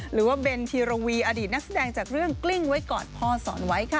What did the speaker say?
เบนธีรวีอดีตนักแสดงจากเรื่องกลิ้งไว้กอดพ่อสอนไว้ค่ะ